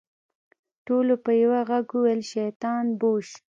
ټولو په يوه ږغ وويل شيطان بوش.